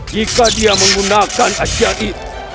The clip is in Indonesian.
jika dia menggunakan hajian itu